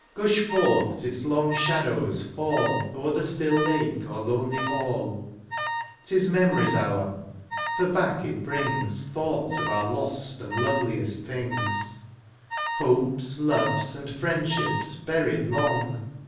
Gush forth as its long shadows fall O'er the still lake or lonely hall. 'Tis memory's hour, for back it brings r> ■ THE AREOPAGITE. 51 Thoughts of our lost and loveliest things ; Hopes^ loves, and friendships buried long.